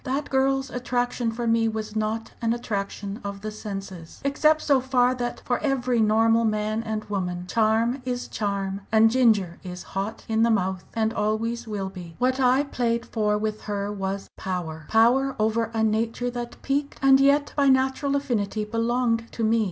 "That girl's attraction for me was not an attraction of the senses except so far that for every normal man and woman charm is charm, and ginger is hot in the mouth and always will be! What I played for with her was power power over a nature that piqued and yet by natural affinity belonged to me.